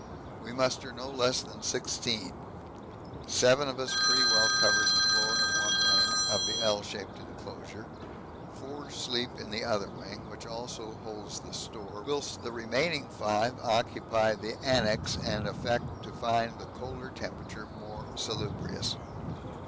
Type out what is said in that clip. We muster no less than sixteen. Seven of us pretty well cover the floor of one wing of the L shaped enclosure, four sleep in the other wing, which also holds the store, whilst the remaining five occupy the annexe and affect to find the colder temperature more salubrious.